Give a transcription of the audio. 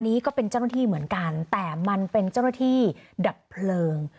นี้ก็เป็นเจ้าหน้าที่เหมือนกันแต่มันเป็นเจ้าหน้าที่ดับเพลิง